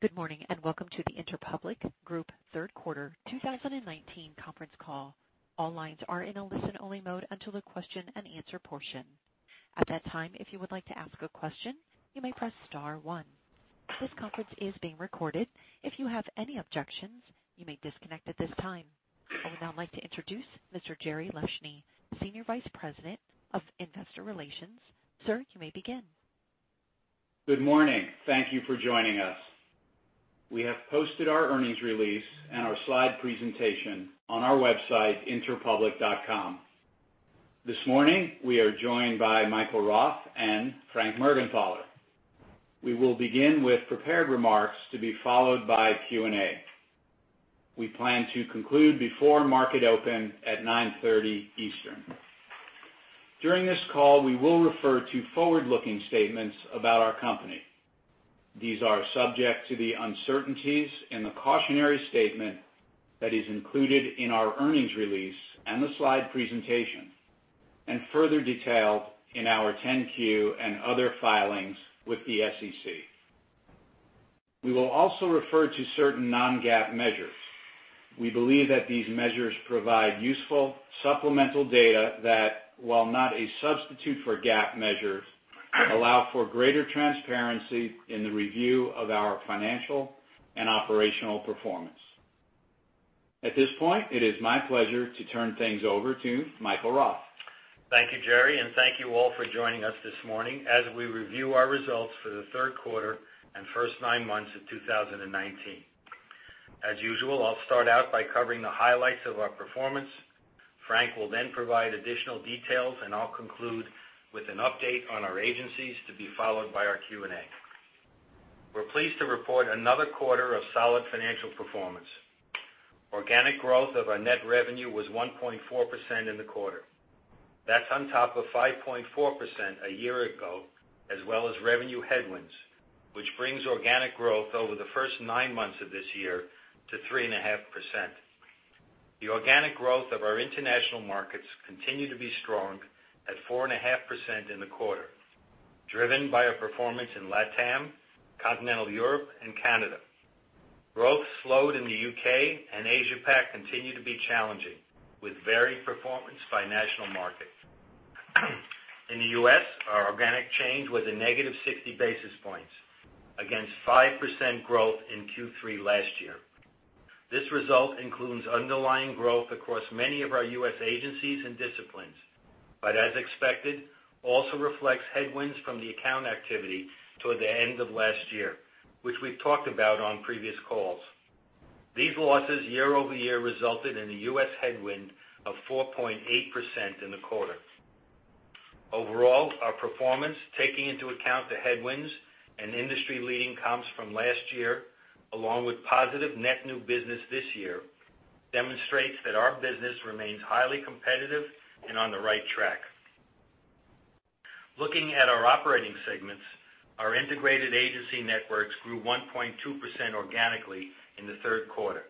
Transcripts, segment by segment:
Good morning and welcome to the Interpublic Group third quarter 2019 conference call. All lines are in a listen-only mode until the question-and-answer portion. At that time, if you would like to ask a question, you may press star one. This conference is being recorded. If you have any objections, you may disconnect at this time. I would now like to introduce Mr. Jerry Leshne, Senior Vice President of Investor Relations. Sir, you may begin. Good morning. Thank you for joining us. We have posted our earnings release and our slide presentation on our website, interpublic.com. This morning, we are joined by Michael Roth and Frank Mergenthaler. We will begin with prepared remarks to be followed by Q&A. We plan to conclude before market open at 9:30 A.M. Eastern. During this call, we will refer to forward-looking statements about our company. These are subject to the uncertainties in the cautionary statement that is included in our earnings release and the slide presentation, and further detailed in our 10-Q and other filings with the SEC. We will also refer to certain non-GAAP measures. We believe that these measures provide useful supplemental data that, while not a substitute for GAAP measures, allow for greater transparency in the review of our financial and operational performance. At this point, it is my pleasure to turn things over to Michael Roth. Thank you, Jerry, and thank you all for joining us this morning as we review our results for the third quarter and first nine months of 2019. As usual, I'll start out by covering the highlights of our performance. Frank will then provide additional details, and I'll conclude with an update on our agencies to be followed by our Q&A. We're pleased to report another quarter of solid financial performance. Organic growth of our net revenue was 1.4% in the quarter. That's on top of 5.4% a year ago, as well as revenue headwinds, which brings organic growth over the first nine months of this year to 3.5%. The organic growth of our international markets continued to be strong at 4.5% in the quarter, driven by our performance in LATAM, continental Europe, and Canada. Growth slowed in the UK, and Asia-Pac continued to be challenging, with varied performance by national market. In the U.S., our organic change was a negative 60 basis points against 5% growth in Q3 last year. This result includes underlying growth across many of our U.S. agencies and disciplines, but as expected, also reflects headwinds from the account activity toward the end of last year, which we've talked about on previous calls. These losses, year-over-year, resulted in a U.S. headwind of 4.8% in the quarter. Overall, our performance, taking into account the headwinds and industry-leading comps from last year, along with positive net new business this year, demonstrates that our business remains highly competitive and on the right track. Looking at our operating segments, our integrated agency networks grew 1.2% organically in the third quarter,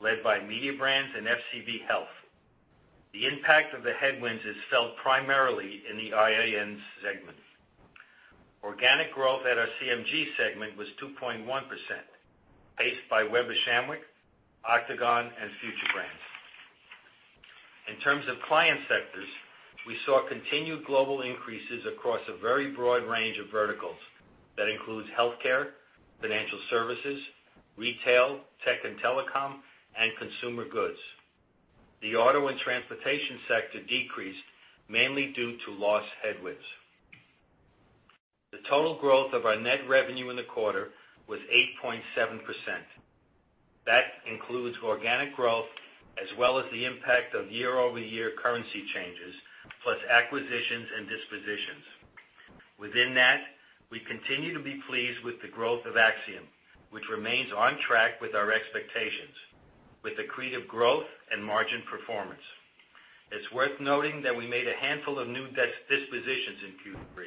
led by Mediabrands and FCB Health. The impact of the headwinds is felt primarily in the IAN segment. Organic growth at our CMG segment was 2.1%, paced by Weber Shandwick, Octagon, and FutureBrand. In terms of client sectors, we saw continued global increases across a very broad range of verticals that includes healthcare, financial services, retail, tech and telecom, and consumer goods. The auto and transportation sector decreased mainly due to those headwinds. The total growth of our net revenue in the quarter was 8.7%. That includes organic growth, as well as the impact of year-over-year currency changes, plus acquisitions and dispositions. Within that, we continue to be pleased with the growth of Acxiom, which remains on track with our expectations, with accretive growth and margin performance. It's worth noting that we made a handful of new dispositions in Q3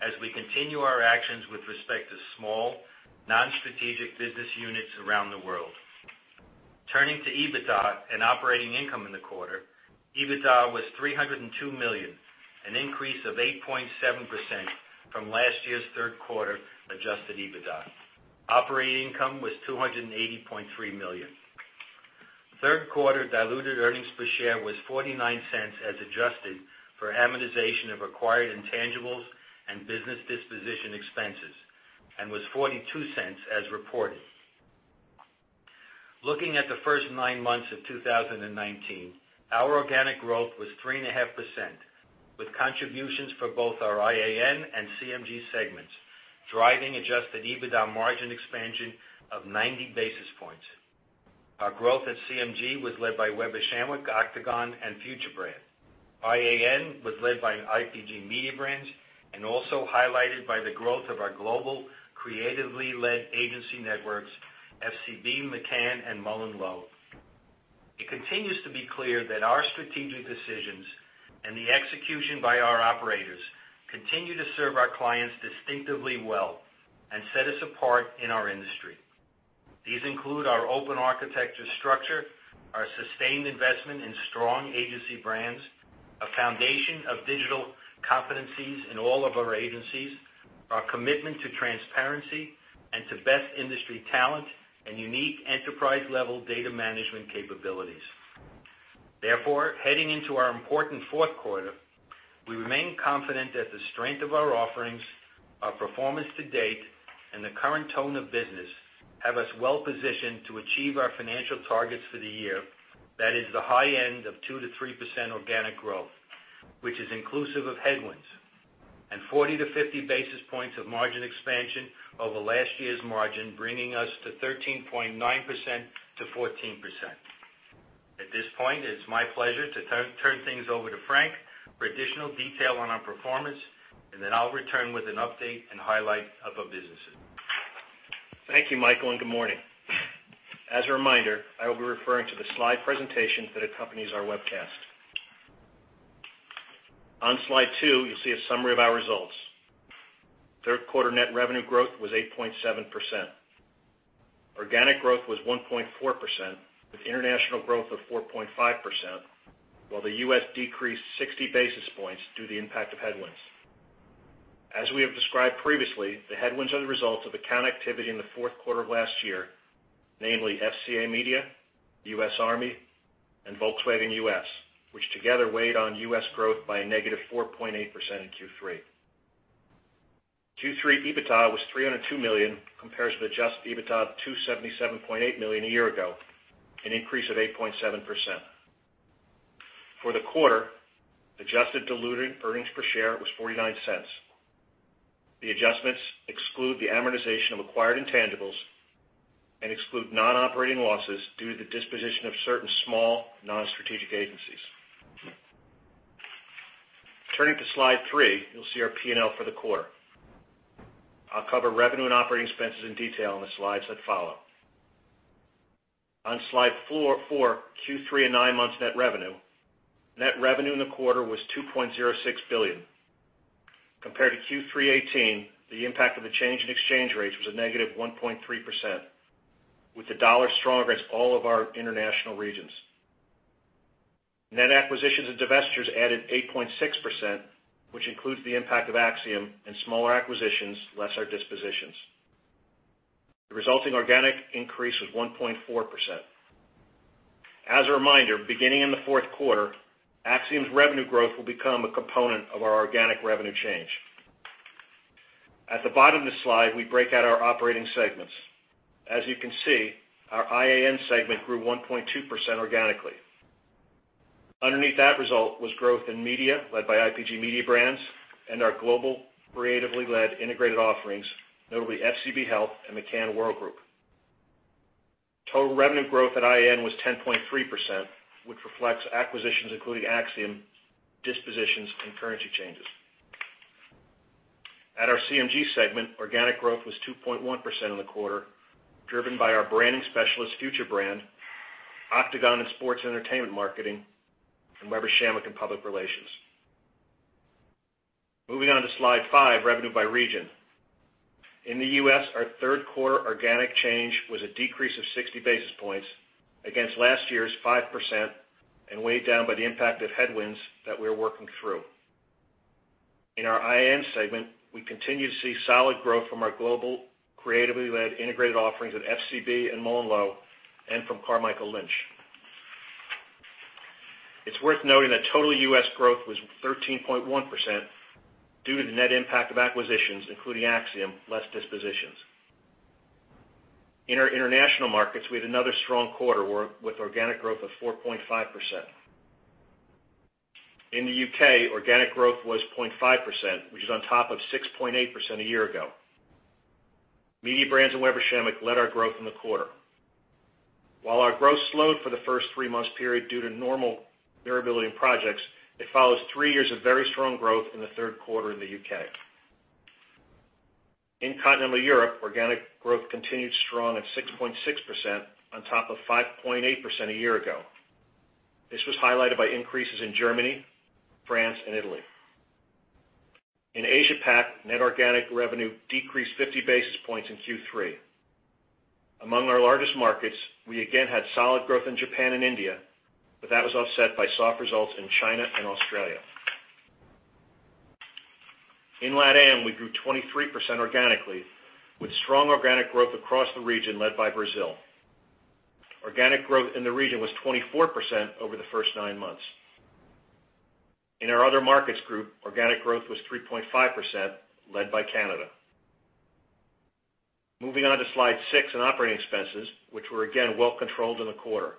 as we continue our actions with respect to small, non-strategic business units around the world. Turning to EBITDA and operating income in the quarter, EBITDA was $302 million, an increase of 8.7% from last year's third quarter adjusted EBITDA. Operating income was $280.3 million. Third quarter diluted earnings per share was $0.49 as adjusted for amortization of acquired intangibles and business disposition expenses, and was $0.42 as reported. Looking at the first nine months of 2019, our organic growth was 3.5%, with contributions for both our IAN and CMG segments, driving adjusted EBITDA margin expansion of 90 basis points. Our growth at CMG was led by Weber Shandwick, Octagon, and FutureBrand. IAN was led by IPG Mediabrands, and also highlighted by the growth of our global, creatively-led agency networks, FCB, McCann, and MullenLowe. It continues to be clear that our strategic decisions and the execution by our operators continue to serve our clients distinctively well and set us apart in our industry. These include our open architecture structure, our sustained investment in strong agency brands, a foundation of digital competencies in all of our agencies, our commitment to transparency, and to best industry talent and unique enterprise-level data management capabilities. Therefore, heading into our important fourth quarter, we remain confident that the strength of our offerings, our performance to date, and the current tone of business have us well positioned to achieve our financial targets for the year, that is, the high end of 2%-3% organic growth, which is inclusive of headwinds, and 40-50 basis points of margin expansion over last year's margin, bringing us to 13.9%-14%. At this point, it's my pleasure to turn things over to Frank for additional detail on our performance, and then I'll return with an update and highlight of our businesses. Thank you, Michael, and good morning. As a reminder, I will be referring to the slide presentation that accompanies our webcast. On slide two, you'll see a summary of our results. Third quarter net revenue growth was 8.7%. Organic growth was 1.4%, with international growth of 4.5%, while the U.S. decreased 60 basis points due to the impact of headwinds. As we have described previously, the headwinds are the result of account activity in the fourth quarter of last year, namely FCA Media, U.S. Army, and Volkswagen U.S., which together weighed on U.S. growth by a -4.8% in Q3. Q3 EBITDA was $302 million, compares with adjusted EBITDA of $277.8 million a year ago, an increase of 8.7%. For the quarter, adjusted diluted earnings per share was $0.49. The adjustments exclude the amortization of acquired intangibles and exclude non-operating losses due to the disposition of certain small, non-strategic agencies. Turning to slide three, you'll see our P&L for the quarter. I'll cover revenue and operating expenses in detail in the slides that follow. On slide four, Q3 and nine months net revenue, net revenue in the quarter was $2.06 billion. Compared to Q3 2018, the impact of the change in exchange rates was a -1.3%, with the dollar stronger against all of our international regions. Net acquisitions and divestitures added 8.6%, which includes the impact of Acxiom, and smaller acquisitions less our dispositions. The resulting organic increase was 1.4%. As a reminder, beginning in the fourth quarter, Acxiom's revenue growth will become a component of our organic revenue change. At the bottom of the slide, we break out our operating segments. As you can see, our IAN segment grew 1.2% organically. Underneath that result was growth in media, led by IPG Mediabrands, and our global, creatively-led integrated offerings, notably FCB Health and McCann Worldgroup. Total revenue growth at IAN was 10.3%, which reflects acquisitions including Acxiom, dispositions, and currency changes. At our CMG segment, organic growth was 2.1% in the quarter, driven by our branding specialists, FutureBrand, Octagon, and sports entertainment marketing, and Weber Shandwick and public relations. Moving on to slide five, revenue by region. In the U.S., our third quarter organic change was a decrease of 60 basis points against last year's 5%, and weighed down by the impact of headwinds that we are working through. In our IAN segment, we continue to see solid growth from our global, creatively led integrated offerings at FCB and MullenLowe, and from Carmichael Lynch. It's worth noting that total U.S. growth was 13.1% due to the net impact of acquisitions, including Acxiom, less dispositions. In our international markets, we had another strong quarter with organic growth of 4.5%. In the U.K., organic growth was 0.5%, which is on top of 6.8% a year ago. Mediabrands and Weber Shandwick led our growth in the quarter. While our growth slowed for the first three months period due to normal variability in projects, it follows three years of very strong growth in the third quarter in the U.K. In continental Europe, organic growth continued strong at 6.6%, on top of 5.8% a year ago. This was highlighted by increases in Germany, France, and Italy. In Asia-Pac, net organic revenue decreased 50 basis points in Q3. Among our largest markets, we again had solid growth in Japan and India, but that was offset by soft results in China and Australia. In LATAM, we grew 23% organically, with strong organic growth across the region led by Brazil. Organic growth in the region was 24% over the first nine months. In our other markets group, organic growth was 3.5%, led by Canada. Moving on to slide six and operating expenses, which were again well controlled in the quarter.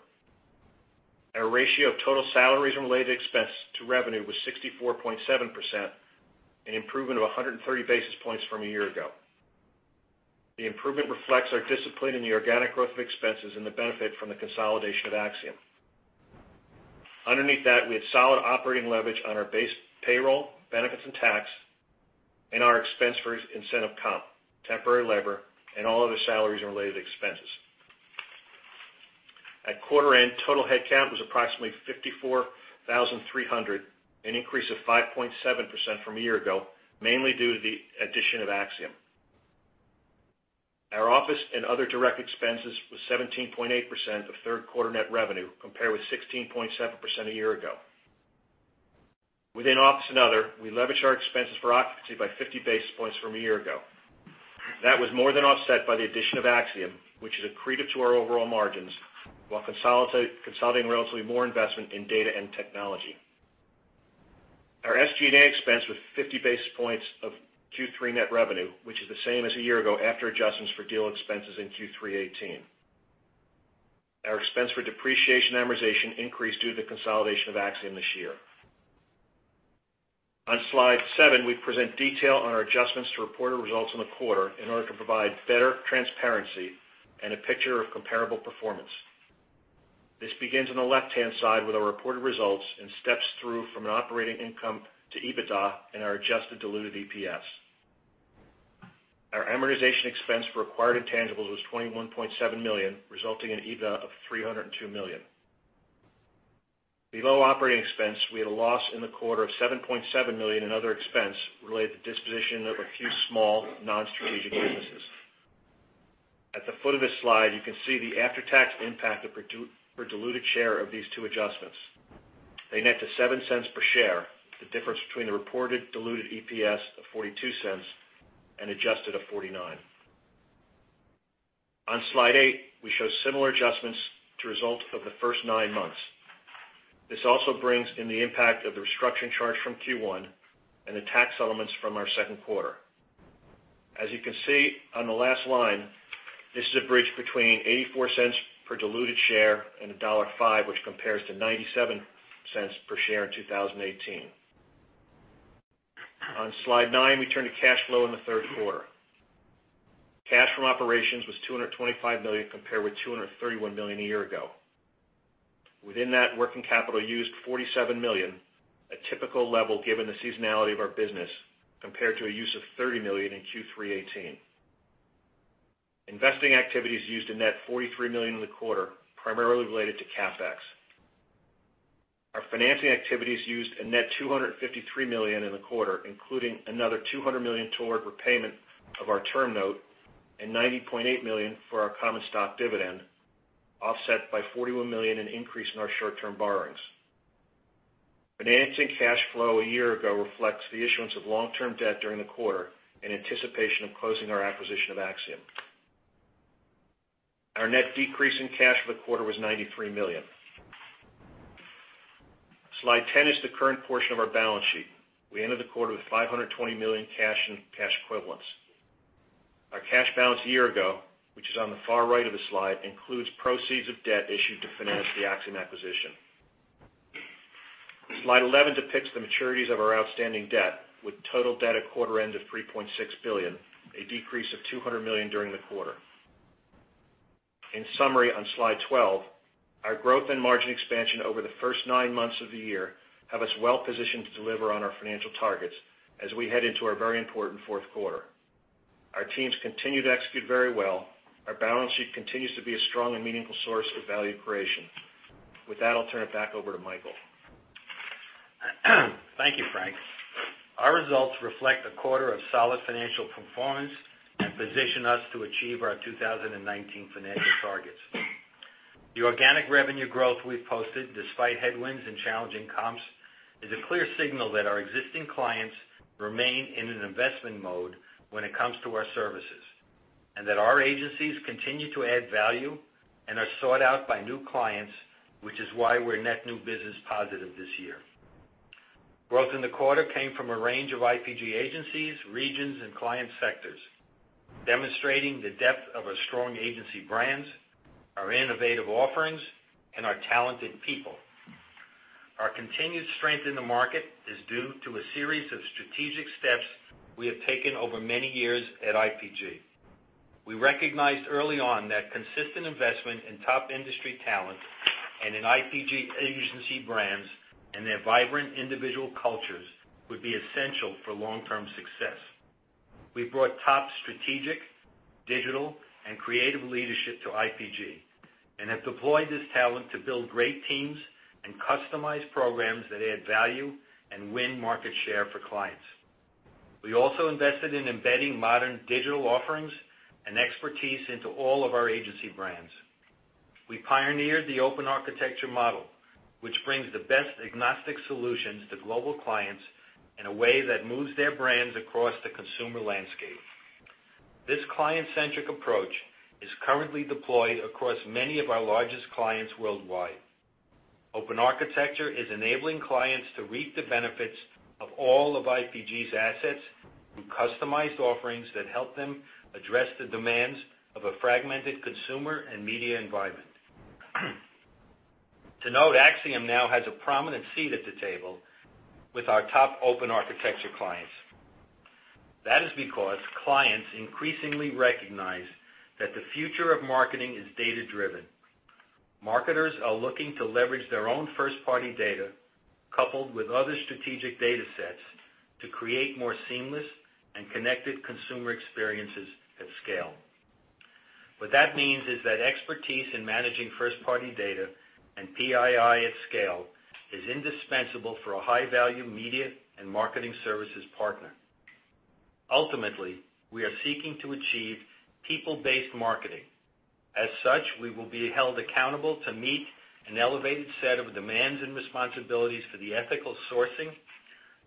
Our ratio of total salaries and related expenses to revenue was 64.7%, an improvement of 130 basis points from a year ago. The improvement reflects our discipline in the organic growth of expenses and the benefit from the consolidation of Acxiom. Underneath that, we had solid operating leverage on our base payroll, benefits, and tax, and our expense for incentive comp, temporary labor, and all other salaries and related expenses. At quarter end, total headcount was approximately 54,300, an increase of 5.7% from a year ago, mainly due to the addition of Acxiom. Our office and other direct expenses were 17.8% of third quarter net revenue, compared with 16.7% a year ago. Within office and other, we leveraged our expenses for occupancy by 50 basis points from a year ago. That was more than offset by the addition of Acxiom, which is accretive to our overall margins, while consolidating relatively more investment in data and technology. Our SG&A expense was 50 basis points of Q3 net revenue, which is the same as a year ago after adjustments for deal expenses in Q3 2018. Our expense for depreciation amortization increased due to the consolidation of Acxiom this year. On slide seven, we present detail on our adjustments to reported results in the quarter in order to provide better transparency and a picture of comparable performance. This begins on the left-hand side with our reported results and steps through from operating income to EBITDA and our adjusted diluted EPS. Our amortization expense for acquired intangibles was $21.7 million, resulting in EBITDA of $302 million. Below operating expense, we had a loss in the quarter of $7.7 million in other expense related to disposition of a few small, non-strategic businesses. At the foot of this slide, you can see the after-tax impact per diluted share of these two adjustments. They net to $0.07 per share, the difference between the reported diluted EPS of $0.42 and adjusted of $0.49. On slide eight, we show similar adjustments to results of the first nine months. This also brings in the impact of the restructuring charge from Q1 and the tax elements from our second quarter. As you can see on the last line, this is a bridge between $0.84 per diluted share and $1.05, which compares to $0.97 per share in 2018. On slide nine, we turn to cash flow in the third quarter. Cash from operations was $225 million, compared with $231 million a year ago. Within that, working capital used $47 million, a typical level given the seasonality of our business, compared to a use of $30 million in Q3 2018. Investing activities used a net $43 million in the quarter, primarily related to CapEx. Our financing activities used a net $253 million in the quarter, including another $200 million toward repayment of our term note and $90.8 million for our common stock dividend, offset by $41 million in increase in our short-term borrowings. Financing cash flow a year ago reflects the issuance of long-term debt during the quarter in anticipation of closing our acquisition of Acxiom. Our net decrease in cash for the quarter was $93 million. Slide 10 is the current portion of our balance sheet. We ended the quarter with $520 million cash and cash equivalents. Our cash balance a year ago, which is on the far right of the slide, includes proceeds of debt issued to finance the Acxiom acquisition. Slide 11 depicts the maturities of our outstanding debt, with total debt at quarter end of $3.6 billion, a decrease of $200 million during the quarter. In summary, on slide 12, our growth and margin expansion over the first nine months of the year have us well positioned to deliver on our financial targets as we head into our very important fourth quarter. Our teams continue to execute very well. Our balance sheet continues to be a strong and meaningful source of value creation. With that, I'll turn it back over to Michael. Thank you, Frank. Our results reflect a quarter of solid financial performance and position us to achieve our 2019 financial targets. The organic revenue growth we've posted, despite headwinds and challenging comps, is a clear signal that our existing clients remain in an investment mode when it comes to our services, and that our agencies continue to add value and are sought out by new clients, which is why we're net new business positive this year. Growth in the quarter came from a range of IPG agencies, regions, and client sectors, demonstrating the depth of our strong agency brands, our innovative offerings, and our talented people. Our continued strength in the market is due to a series of strategic steps we have taken over many years at IPG. We recognized early on that consistent investment in top industry talent and in IPG agency brands and their vibrant individual cultures would be essential for long-term success. We've brought top strategic, digital, and creative leadership to IPG and have deployed this talent to build great teams and customize programs that add value and win market share for clients. We also invested in embedding modern digital offerings and expertise into all of our agency brands. We pioneered the open architecture model, which brings the best agnostic solutions to global clients in a way that moves their brands across the consumer landscape. This client-centric approach is currently deployed across many of our largest clients worldwide. Open architecture is enabling clients to reap the benefits of all of IPG's assets through customized offerings that help them address the demands of a fragmented consumer and media environment. To note, Acxiom now has a prominent seat at the table with our top open architecture clients. That is because clients increasingly recognize that the future of marketing is data-driven. Marketers are looking to leverage their own first-party data, coupled with other strategic data sets, to create more seamless and connected consumer experiences at scale. What that means is that expertise in managing first-party data and PII at scale is indispensable for a high-value media and marketing services partner. Ultimately, we are seeking to achieve people-based marketing. As such, we will be held accountable to meet an elevated set of demands and responsibilities for the ethical sourcing,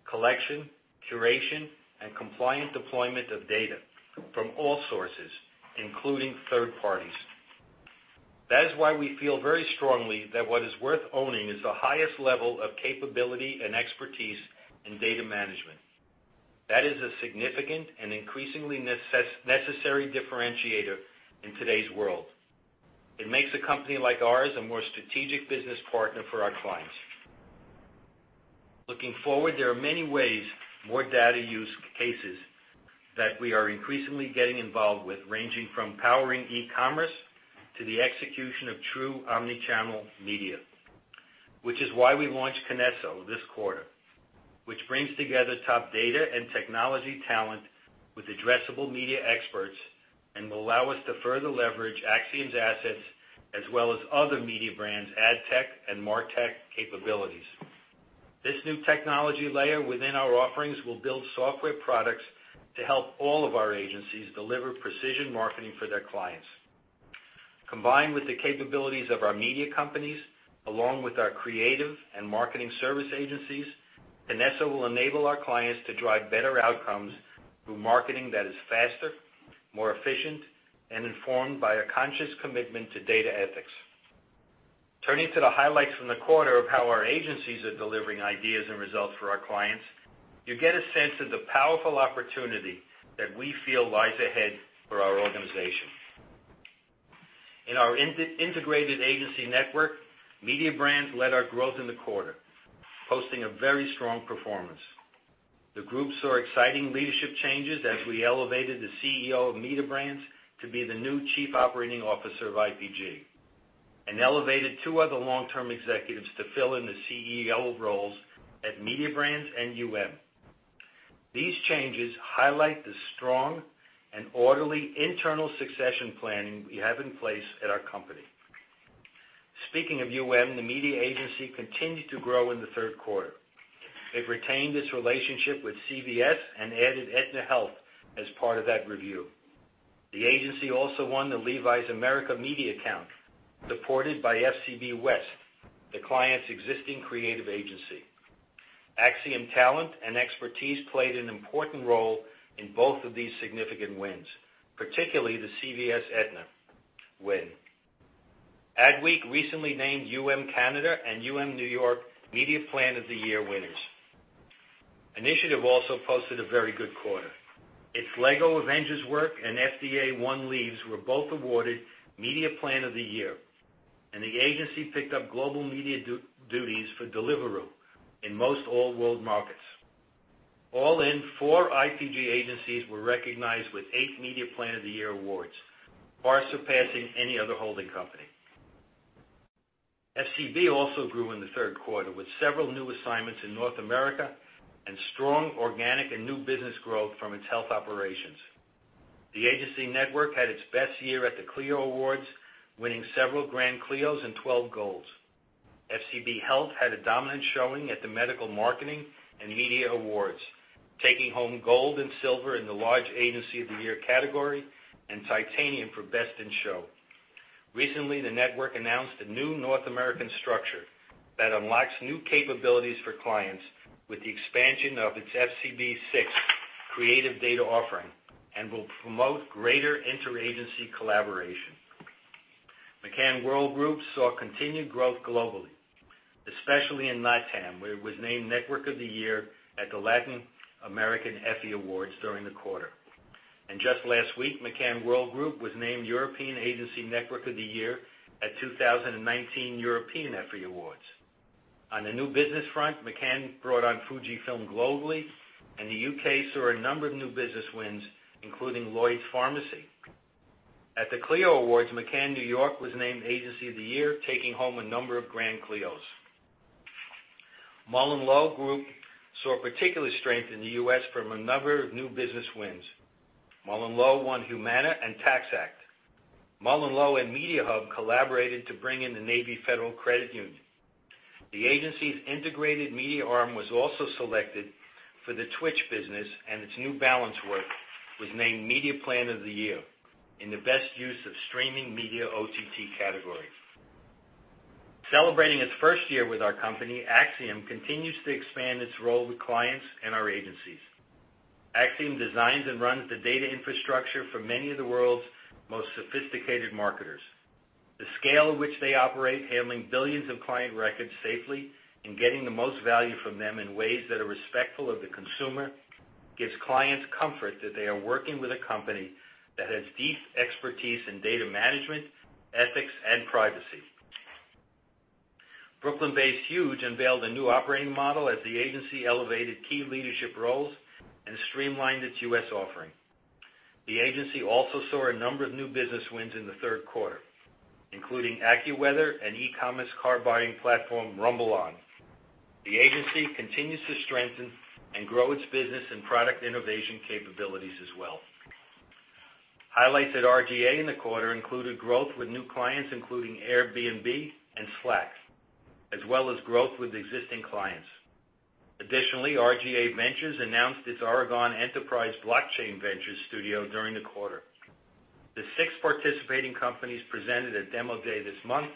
collection, curation, and compliant deployment of data from all sources, including third parties. That is why we feel very strongly that what is worth owning is the highest level of capability and expertise in data management. That is a significant and increasingly necessary differentiator in today's world. It makes a company like ours a more strategic business partner for our clients. Looking forward, there are many ways, more data use cases that we are increasingly getting involved with, ranging from powering e-commerce to the execution of true omnichannel media, which is why we launched KINESSO this quarter, which brings together top data and technology talent with addressable media experts and will allow us to further leverage Acxiom's assets as well as other Mediabrands' ad tech and martech capabilities. This new technology layer within our offerings will build software products to help all of our agencies deliver precision marketing for their clients. Combined with the capabilities of our media companies, along with our creative and marketing service agencies, KINESSO will enable our clients to drive better outcomes through marketing that is faster, more efficient, and informed by a conscious commitment to data ethics. Turning to the highlights from the quarter of how our agencies are delivering ideas and results for our clients, you get a sense of the powerful opportunity that we feel lies ahead for our organization. In our integrated agency network, Mediabrands led our growth in the quarter, posting a very strong performance. The group saw exciting leadership changes as we elevated the CEO of Mediabrands to be the new Chief Operating Officer of IPG, and elevated two other long-term executives to fill in the CEO roles at Mediabrands and UM. These changes highlight the strong and orderly internal succession planning we have in place at our company. Speaking of UM, the media agency continued to grow in the third quarter. It retained its relationship with CVS and added Aetna Health as part of that review. The agency also won the Levi's America Media account, supported by FCB West, the client's existing creative agency. Acxiom talent and expertise played an important role in both of these significant wins, particularly the CVS Aetna win. Adweek recently named UM Canada and UM New York Media Plan of the Year winners. Initiative also posted a very good quarter. Its Lego Avengers work and FDA One Leaves were both awarded Media Plan of the Year, and the agency picked up global media duties for Deliveroo in most all-world markets. All in, four IPG agencies were recognized with eight Media Plan of the Year awards, far surpassing any other holding company. FCB also grew in the third quarter with several new assignments in North America and strong organic and new business growth from its health operations. The agency network had its best year at the Clio Awards, winning several Grand Clios and 12 Golds. FCB Health had a dominant showing at the Medical Marketing and Media Awards, taking home Gold and Silver in the Large Agency of the Year category and Titanium for Best in Show. Recently, the network announced a new North American structure that unlocks new capabilities for clients with the expansion of its FCB/Six Creative Data Offering and will promote greater interagency collaboration. McCann Worldgroup saw continued growth globally, especially in LATAM, where it was named Network of the Year at the Latin American Effie Awards during the quarter. Just last week, McCann Worldgroup was named European Agency Network of the Year at 2019 European Effie Awards. On the new business front, McCann brought on Fujifilm globally, and the U.K. saw a number of new business wins, including LloydsPharmacy. At the Clio Awards, McCann New York was named Agency of the Year, taking home a number of Grand Clios. MullenLowe Group saw particular strength in the U.S. from a number of new business wins. MullenLowe won Humana and TaxAct. MullenLowe and Mediahub collaborated to bring in the Navy Federal Credit Union. The agency's integrated media arm was also selected for the Twitch business, and its New Balance work was named Media Plan of the Year in the Best Use of Streaming Media OTT category. Celebrating its first year with our company, Acxiom continues to expand its role with clients and our agencies. Acxiom designs and runs the data infrastructure for many of the world's most sophisticated marketers. The scale of which they operate, handling billions of client records safely and getting the most value from them in ways that are respectful of the consumer, gives clients comfort that they are working with a company that has deep expertise in data management, ethics, and privacy. Brooklyn-based Huge unveiled a new operating model as the agency elevated key leadership roles and streamlined its U.S. offering. The agency also saw a number of new business wins in the third quarter, including AccuWeather and e-commerce car buying platform RumbleOn. The agency continues to strengthen and grow its business and product innovation capabilities as well. Highlights at R/GA in the quarter included growth with new clients, including Airbnb and Slack, as well as growth with existing clients. Additionally, R/GA Ventures announced its Oregon Enterprise Blockchain Ventures studio during the quarter. The six participating companies presented at Demo Day this month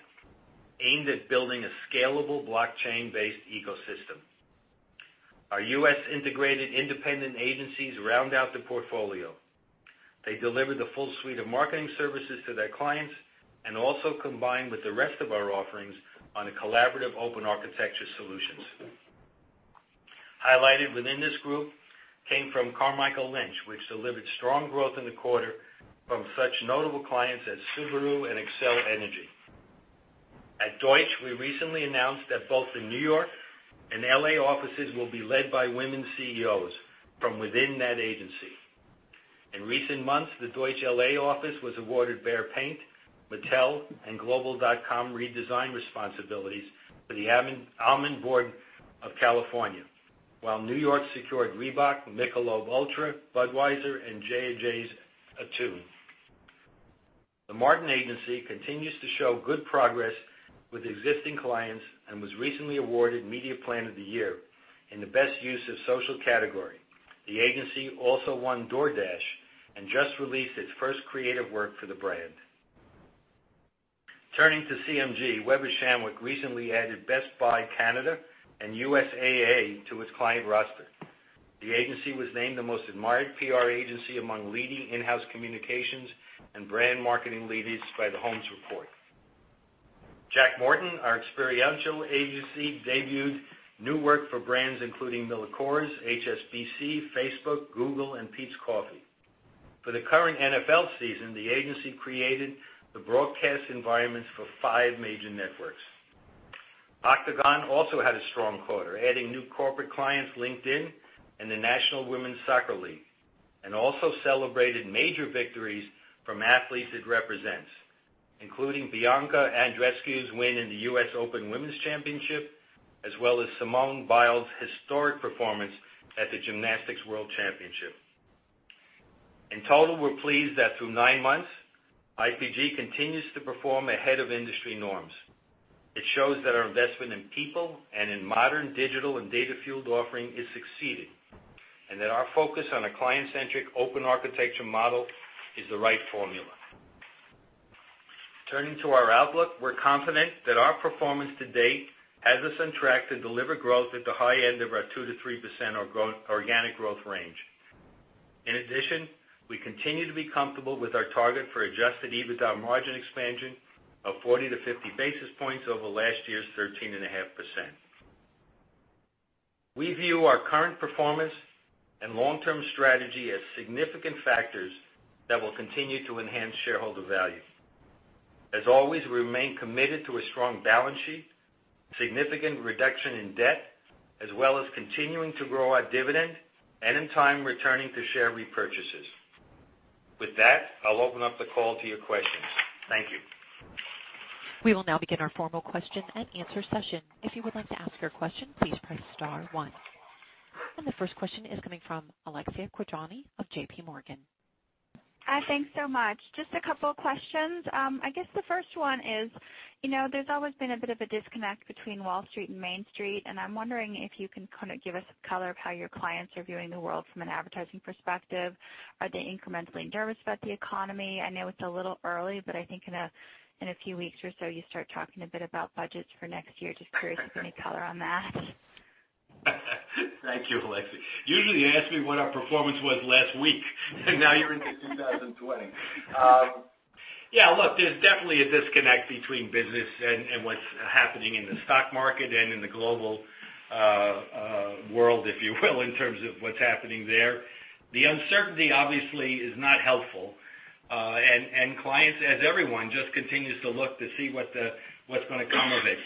aimed at building a scalable blockchain-based ecosystem. Our U.S. integrated independent agencies round out the portfolio. They deliver the full suite of marketing services to their clients and also combine with the rest of our offerings on collaborative open architecture solutions. Highlighted within this group came from Carmichael Lynch, which delivered strong growth in the quarter from such notable clients as Subaru and Xcel Energy. At Deutsch, we recently announced that both the New York and LA offices will be led by women CEOs from within that agency. In recent months, the Deutsch LA office was awarded Behr Paint, Mattel, and global.com redesign responsibilities for The Almond Board of California, while New York secured Reebok, Michelob ULTRA, Budweiser, and J&J's [Acuvue]. The Martin Agency continues to show good progress with existing clients and was recently awarded Media Plan of the Year in the Best Use of Social category. The agency also won DoorDash and just released its first creative work for the brand. Turning to CMG, Weber Shandwick recently added Best Buy Canada and USAA to its client roster. The agency was named the most admired PR agency among leading in-house communications and brand marketing leads by The Holmes Report. Jack Morton, our experiential agency, debuted new work for brands including MillerCoors, HSBC, Facebook, Google, and Peet's Coffee. For the current NFL season, the agency created the broadcast environments for five major networks. Octagon also had a strong quarter, adding new corporate clients LinkedIn and the National Women's Soccer League, and also celebrated major victories from athletes it represents, including Bianca Andreescu's win in the U.S. Open Women's Championship, as well as Simone Biles' historic performance at the Gymnastics World Championship. In total, we're pleased that through nine months, IPG continues to perform ahead of industry norms. It shows that our investment in people and in modern digital and data-fueled offering has succeeded and that our focus on a client-centric open architecture model is the right formula. Turning to our outlook, we're confident that our performance today has us on track to deliver growth at the high end of our 2%-3% organic growth range. In addition, we continue to be comfortable with our target for adjusted EBITDA margin expansion of 40-50 basis points over last year's 13.5%. We view our current performance and long-term strategy as significant factors that will continue to enhance shareholder value. As always, we remain committed to a strong balance sheet, significant reduction in debt, as well as continuing to grow our dividend and, in time, returning to share repurchases. With that, I'll open up the call to your questions. Thank you. We will now begin our formal question and answer session. If you would like to ask your question, please press star one, and the first question is coming from Alexia Quadrani of JPMorgan. Hi, thanks so much. Just a couple of questions. I guess the first one is there's always been a bit of a disconnect between Wall Street and Main Street, and I'm wondering if you can kind of give us a color of how your clients are viewing the world from an advertising perspective. Are they incrementally nervous about the economy? I know it's a little early, but I think in a few weeks or so you start talking a bit about budgets for next year. Just curious if you can color on that. Thank you, Alexia. Usually, you ask me what our performance was last week, and now you're into 2020. Yeah, look, there's definitely a disconnect between business and what's happening in the stock market and in the global world, if you will, in terms of what's happening there. The uncertainty, obviously, is not helpful, and clients, as everyone, just continues to look to see what's going to come of it.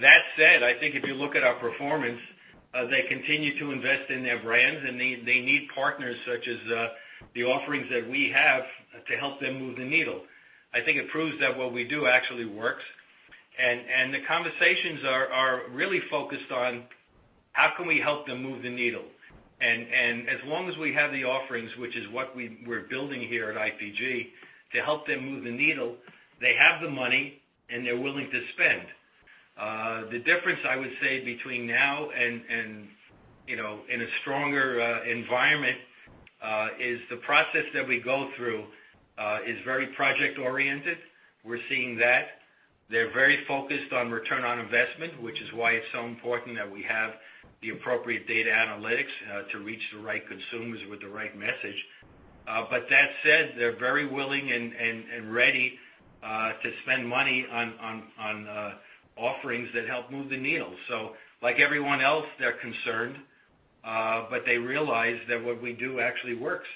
That said, I think if you look at our performance, they continue to invest in their brands, and they need partners such as the offerings that we have to help them move the needle. I think it proves that what we do actually works, and the conversations are really focused on how can we help them move the needle. As long as we have the offerings, which is what we're building here at IPG, to help them move the needle, they have the money and they're willing to spend. The difference, I would say, between now and in a stronger environment is the process that we go through is very project-oriented. We're seeing that. They're very focused on return on investment, which is why it's so important that we have the appropriate data analytics to reach the right consumers with the right message. But that said, they're very willing and ready to spend money on offerings that help move the needle. Like everyone else, they're concerned, but they realize that what we do actually works,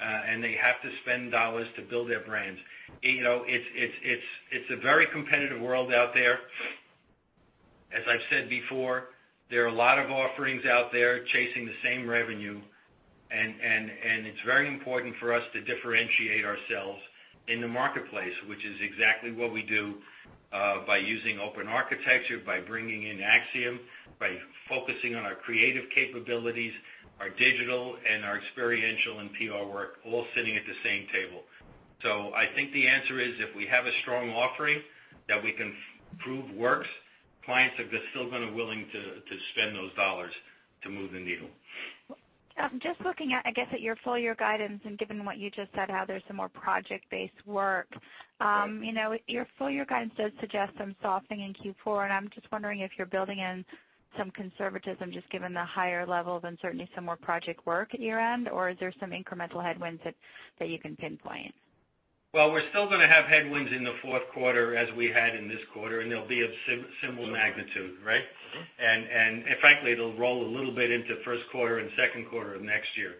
and they have to spend dollars to build their brands. It's a very competitive world out there. As I've said before, there are a lot of offerings out there chasing the same revenue, and it's very important for us to differentiate ourselves in the marketplace, which is exactly what we do by using open architecture, by bringing in Acxiom, by focusing on our creative capabilities, our digital and our experiential and PR work, all sitting at the same table. So I think the answer is if we have a strong offering that we can prove works, clients are still going to be willing to spend those dollars to move the needle. Just looking, I guess, at your full-year guidance and given what you just said, how there's some more project-based work, your full-year guidance does suggest some softening in Q4, and I'm just wondering if you're building in some conservatism just given the higher level of uncertainty, some more project work at year-end, or is there some incremental headwinds that you can pinpoint? We're still going to have headwinds in the fourth quarter as we had in this quarter, and they'll be of similar magnitude, right? Frankly, it'll roll a little bit into first quarter and second quarter of next year.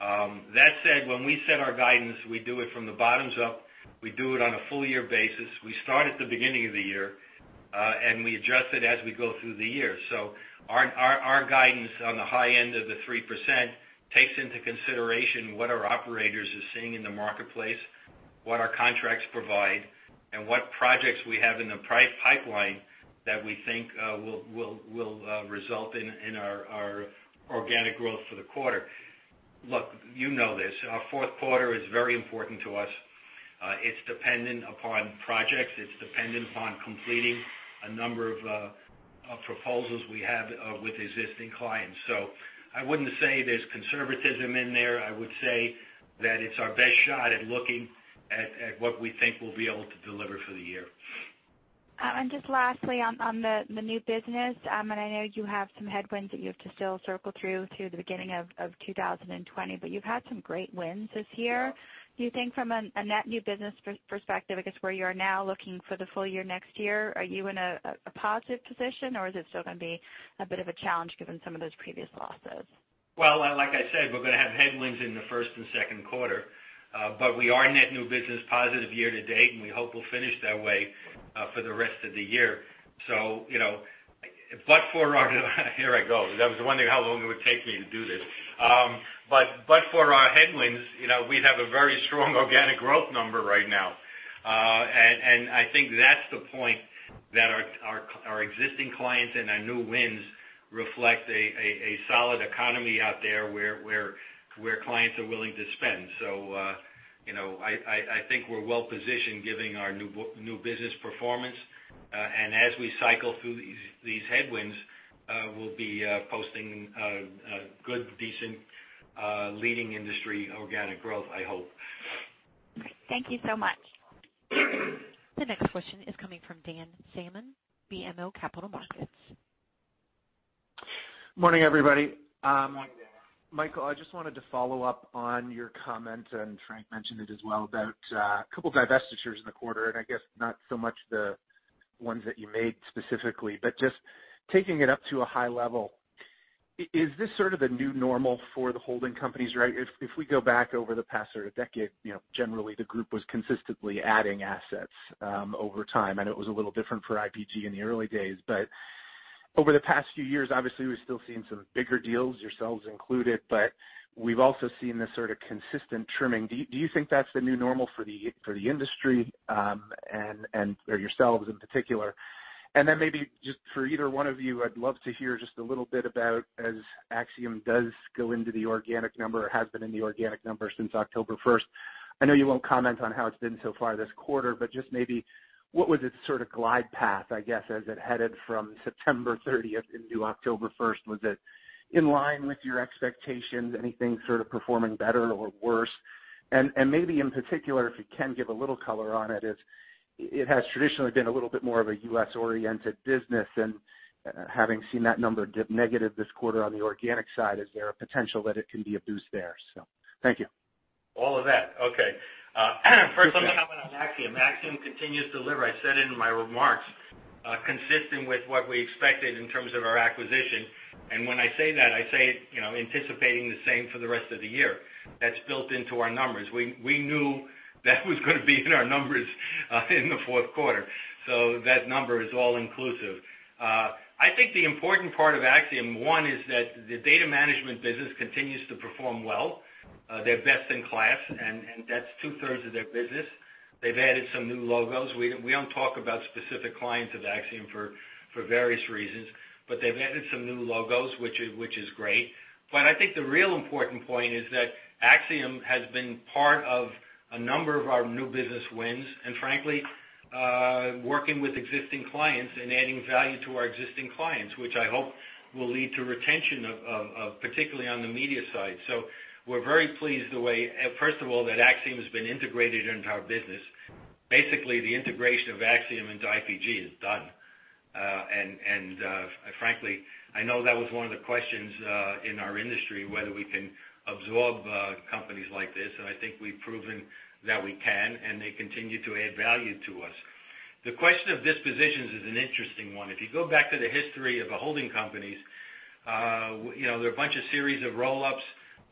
That said, when we set our guidance, we do it from the bottoms up. We do it on a full year basis. We start at the beginning of the year, and we adjust it as we go through the year. Our guidance on the high end of the 3% takes into consideration what our operators are seeing in the marketplace, what our contracts provide, and what projects we have in the pipeline that we think will result in our organic growth for the quarter. Look, you know this. Our fourth quarter is very important to us. It's dependent upon projects. It's dependent upon completing a number of proposals we have with existing clients. So I wouldn't say there's conservatism in there. I would say that it's our best shot at looking at what we think we'll be able to deliver for the year. Just lastly, on the new business, and I know you have some headwinds that you have to still circle through to the beginning of 2020, but you've had some great wins this year. Do you think from a net new business perspective, I guess, where you are now looking for the full year next year, are you in a positive position, or is it still going to be a bit of a challenge given some of those previous losses? Well, like I said, we're going to have headwinds in the first and second quarter, but we are net new business positive year-to-date, and we hope we'll finish that way for the rest of the year. So, but for our - here I go. I was wondering how long it would take me to do this. But for our headwinds, we have a very strong organic growth number right now, and I think that's the point that our existing clients and our new wins reflect a solid economy out there where clients are willing to spend. So I think we're well positioned given our new business performance, and as we cycle through these headwinds, we'll be posting good, decent, leading industry organic growth, I hope. Thank you so much. The next question is coming from Dan Salmon, BMO Capital Markets. Morning, everybody. Michael, I just wanted to follow up on your comment, and Frank mentioned it as well about a couple of divestitures in the quarter, and I guess not so much the ones that you made specifically, but just taking it up to a high level. Is this sort of the new normal for the holding companies, right? If we go back over the past sort of decade, generally, the group was consistently adding assets over time, and it was a little different for IPG in the early days. But over the past few years, obviously, we're still seeing some bigger deals, yourselves included, but we've also seen this sort of consistent trimming. Do you think that's the new normal for the industry or yourselves in particular? And then maybe just for either one of you, I'd love to hear just a little bit about as Acxiom does go into the organic number or has been in the organic number since October 1st. I know you won't comment on how it's been so far this quarter, but just maybe what was its sort of glide path, I guess, as it headed from September 30th into October 1st? Was it in line with your expectations? Anything sort of performing better or worse? And maybe in particular, if you can give a little color on it, it has traditionally been a little bit more of a U.S.-oriented business, and having seen that number dip negative this quarter on the organic side, is there a potential that it can be a boost there? So thank you. All of that. Okay. First, I'm going to comment on Acxiom. Acxiom continues to deliver. I said in my remarks, consistent with what we expected in terms of our acquisition. And when I say that, I say anticipating the same for the rest of the year. That's built into our numbers. We knew that was going to be in our numbers in the fourth quarter. So that number is all inclusive. I think the important part of Acxiom, one, is that the data management business continues to perform well. They're best in class, and that's two-thirds of their business. They've added some new logos. We don't talk about specific clients of Acxiom for various reasons, but they've added some new logos, which is great. But I think the real important point is that Acxiom has been part of a number of our new business wins and, frankly, working with existing clients and adding value to our existing clients, which I hope will lead to retention, particularly on the media side. So we're very pleased the way, first of all, that Acxiom has been integrated into our business. Basically, the integration of Acxiom into IPG is done. Frankly, I know that was one of the questions in our industry, whether we can absorb companies like this, and I think we've proven that we can, and they continue to add value to us. The question of dispositions is an interesting one. If you go back to the history of the holding companies, there are a bunch of series of roll-ups.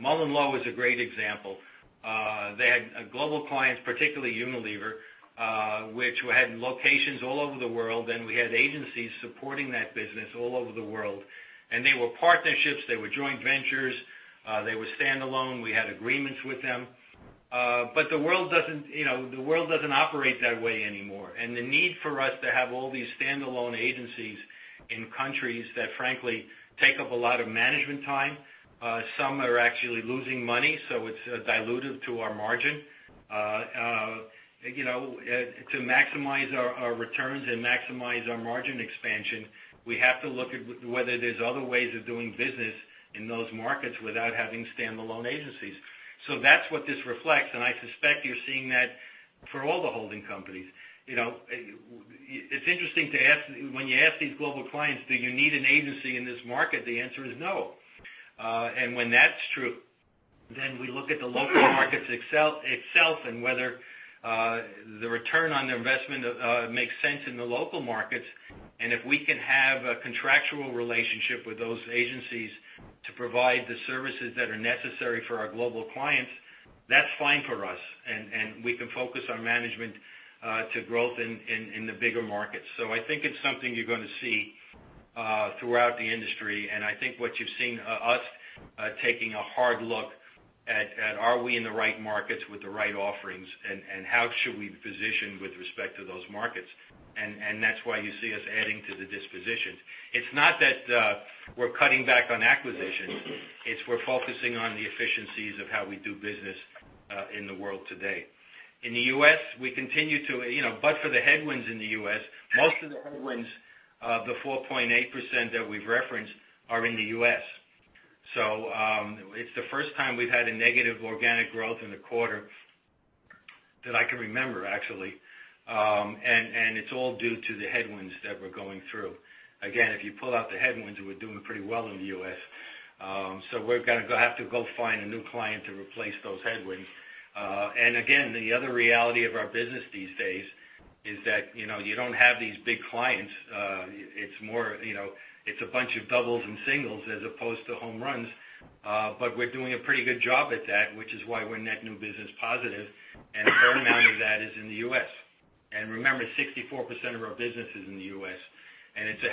MullenLowe is a great example. They had global clients, particularly Unilever, which had locations all over the world, and we had agencies supporting that business all over the world. And they were partnerships. They were joint ventures. They were standalone. We had agreements with them. But the world doesn't operate that way anymore. And the need for us to have all these standalone agencies in countries that, frankly, take up a lot of management time, some are actually losing money, so it's dilutive to our margin. To maximize our returns and maximize our margin expansion, we have to look at whether there's other ways of doing business in those markets without having standalone agencies. So that's what this reflects, and I suspect you're seeing that for all the holding companies. It's interesting to ask when you ask these global clients, "Do you need an agency in this market?" The answer is no. And when that's true, then we look at the local markets itself and whether the return on the investment makes sense in the local markets. And if we can have a contractual relationship with those agencies to provide the services that are necessary for our global clients, that's fine for us, and we can focus our management to growth in the bigger markets. So I think it's something you're going to see throughout the industry, and I think what you've seen us taking a hard look at are we in the right markets with the right offerings and how should we position with respect to those markets. And that's why you see us adding to the dispositions. It's not that we're cutting back on acquisitions. It's we're focusing on the efficiencies of how we do business in the world today. In the U.S., we continue to, but for the headwinds in the U.S., most of the headwinds, the 4.8% that we've referenced, are in the U.S., so it's the first time we've had a negative organic growth in the quarter that I can remember, actually, and it's all due to the headwinds that we're going through. Again, if you pull out the headwinds, we're doing pretty well in the U.S., so we're going to have to go find a new client to replace those headwinds, and again, the other reality of our business these days is that you don't have these big clients. It's a bunch of doubles and singles as opposed to home runs, but we're doing a pretty good job at that, which is why we're net new business positive, and a fair amount of that is in the U.S. Remember, 64% of our business is in the U.S., and it's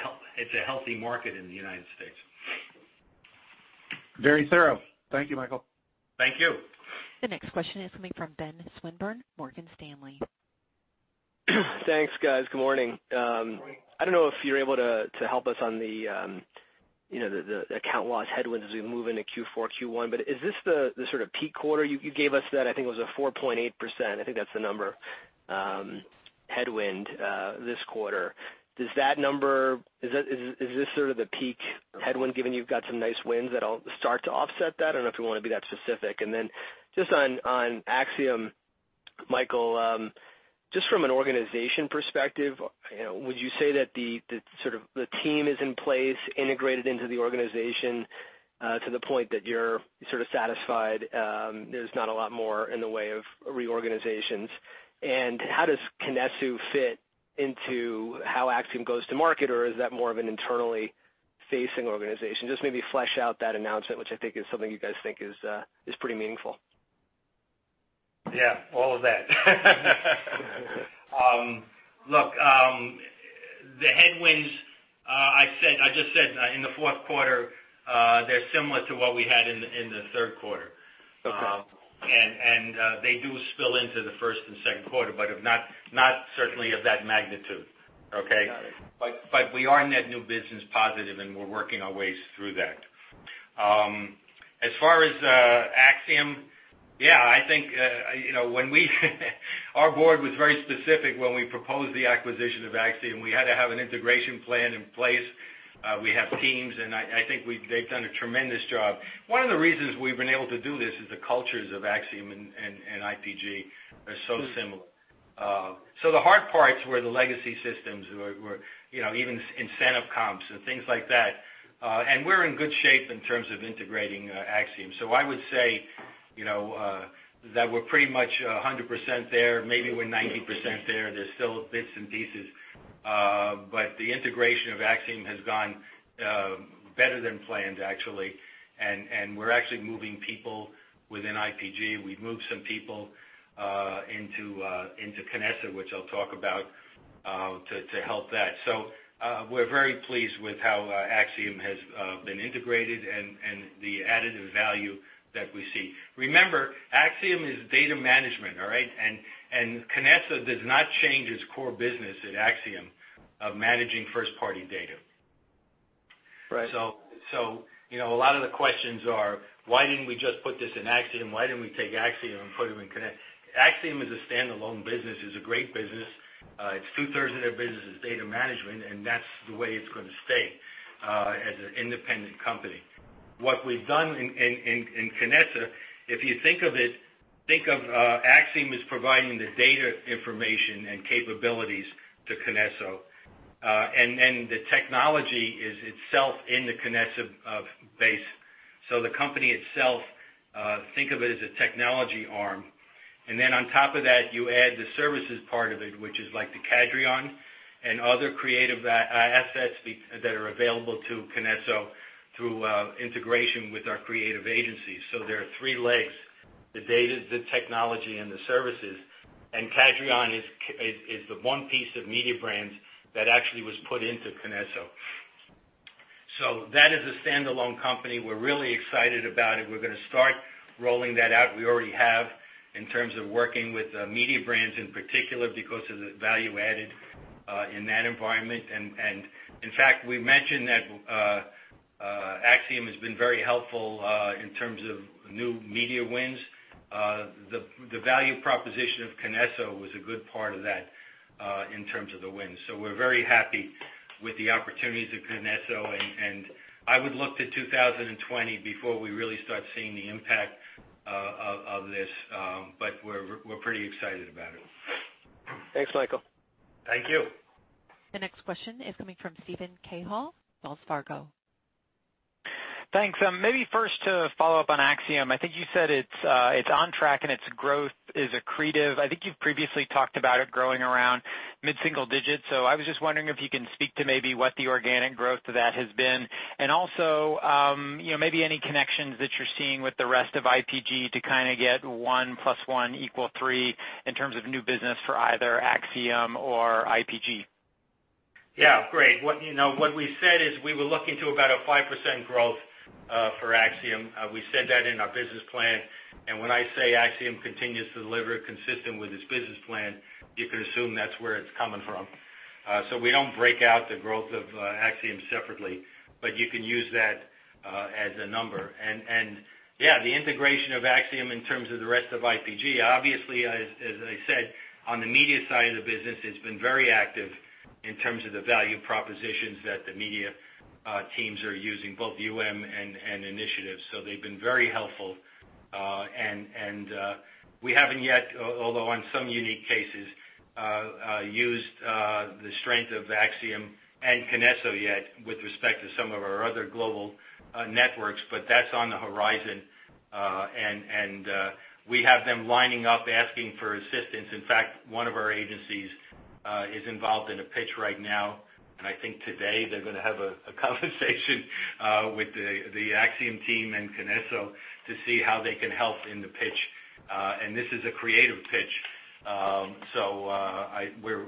a healthy market in the United States. Very thorough. Thank you, Michael. Thank you. The next question is coming from Ben Swinburne, Morgan Stanley. Thanks, guys. Good morning. I don't know if you're able to help us on the account loss headwinds as we move into Q4, Q1, but is this the sort of peak quarter? You gave us that. I think it was a 4.8%. I think that's the number headwind this quarter. Is this sort of the peak headwind given you've got some nice winds that'll start to offset that? I don't know if you want to be that specific. And then just on Acxiom, Michael, just from an organization perspective, would you say that the sort of team is in place, integrated into the organization to the point that you're sort of satisfied there's not a lot more in the way of reorganizations? And how does KINESSO fit into how Acxiom goes to market, or is that more of an internally-facing organization? Just maybe flesh out that announcement, which I think is something you guys think is pretty meaningful. Yeah, all of that. Look, the headwinds, I just said in the fourth quarter, they're similar to what we had in the third quarter. And they do spill into the first and second quarter, but not certainly of that magnitude, okay? But we are net new business positive, and we're working our way through that. As far as Acxiom, yeah, I think when we, our board was very specific when we proposed the acquisition of Acxiom. We had to have an integration plan in place. We have teams, and I think they've done a tremendous job. One of the reasons we've been able to do this is the cultures of Acxiom and IPG are so similar. So the hard parts were the legacy systems, even incentive comps and things like that. And we're in good shape in terms of integrating Acxiom. So I would say that we're pretty much 100% there. Maybe we're 90% there. There's still bits and pieces, but the integration of Acxiom has gone better than planned, actually, and we're actually moving people within IPG. We've moved some people into KINESSO, which I'll talk about to help that. We're very pleased with how Acxiom has been integrated and the additive value that we see. Remember, Acxiom is data management, all right? KINESSO does not change its core business at Acxiom of managing first-party data. A lot of the questions are, "Why didn't we just put this in Acxiom? Why didn't we take Acxiom and put it in KINESSO?" Acxiom is a standalone business. It's a great business. It's two-thirds of their business is data management, and that's the way it's going to stay as an independent company. What we've done in KINESSO, if you think of it, think of Acxiom as providing the data information and capabilities to KINESSO. And then the technology is itself in the KINESSO base. So the company itself, think of it as a technology arm. And then on top of that, you add the services part of it, which is like the Cadreon and other creative assets that are available to KINESSO through integration with our creative agencies. So there are three legs: the data, the technology, and the services. And Cadreon is the one piece of Mediabrands that actually was put into KINESSO. So that is a standalone company. We're really excited about it. We're going to start rolling that out. We already have in terms of working with Mediabrands in particular because of the value added in that environment. In fact, we mentioned that Acxiom has been very helpful in terms of new media wins. The value proposition of KINESSO was a good part of that in terms of the wins. We're very happy with the opportunities at KINESSO, and I would look to 2020 before we really start seeing the impact of this, but we're pretty excited about it. Thanks, Michael. Thank you. The next question is coming from Steven Cahall, Wells Fargo. Thanks. Maybe first to follow up on Acxiom. I think you said it's on track and its growth is accretive. I think you've previously talked about it growing around mid-single digits. So I was just wondering if you can speak to maybe what the organic growth of that has been. And also maybe any connections that you're seeing with the rest of IPG to kind of get 1 +1 = 3 in terms of new business for either Acxiom or IPG. Yeah, great. What we said is we were looking to about a 5% growth for Acxiom. We said that in our business plan. And when I say Acxiom continues to deliver consistent with its business plan, you can assume that's where it's coming from. So we don't break out the growth of Acxiom separately, but you can use that as a number. And yeah, the integration of Acxiom in terms of the rest of IPG. Obviously, as I said, on the media side of the business, it's been very active in terms of the value propositions that the media teams are using, both UM and Initiative. So they've been very helpful. And we haven't yet, although on some unique cases, used the strength of Acxiom and KINESSO yet with respect to some of our other global networks, but that's on the horizon. And we have them lining up asking for assistance. In fact, one of our agencies is involved in a pitch right now. And I think today they're going to have a conversation with the Acxiom team and KINESSO to see how they can help in the pitch. And this is a creative pitch. So we're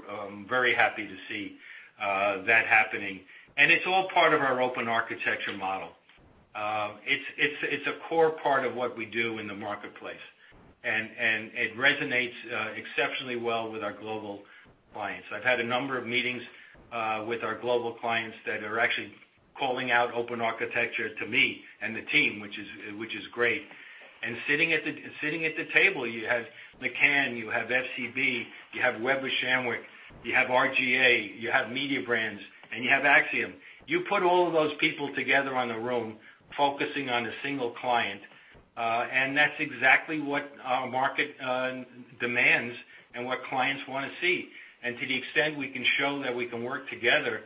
very happy to see that happening. And it's all part of our open architecture model. It's a core part of what we do in the marketplace, and it resonates exceptionally well with our global clients. I've had a number of meetings with our global clients that are actually calling out open architecture to me and the team, which is great. And sitting at the table, you have McCann, you have FCB, you have Weber Shandwick, you have R/GA, you have Mediabrands, and you have Acxiom. You put all of those people together in a room focusing on a single client, and that's exactly what our market demands and what clients want to see. And to the extent we can show that we can work together